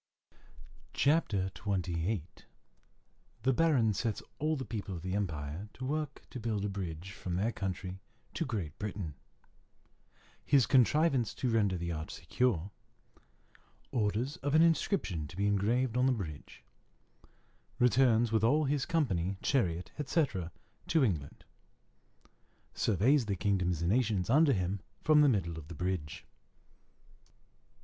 CHAPTER XXVIII _The Baron sets all the people of the empire to work to build a bridge from their country to Great Britain His contrivance to render the arch secure Orders an inscription to be engraved on the bridge Returns with all his company, chariot, etc., to England Surveys the kingdoms and nations under him from the middle of the bridge.